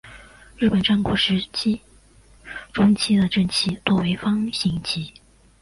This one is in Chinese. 日本战国时代中期的阵旗多为方形旗。